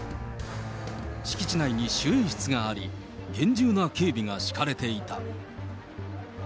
敷地内に守衛室があり、厳重な警備が敷かれていた。